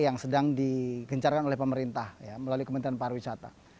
yang sedang digencarkan oleh pemerintah melalui kementerian pariwisata